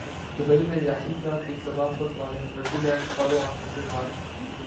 Dubai میں یاسر شاہ کی تباہ کن bowling New Zealand follow on کا شکار